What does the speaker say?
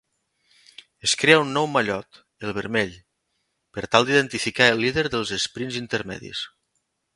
Es crea un nou mallot, el vermell, per tal d'identificar el líder dels esprints intermedis.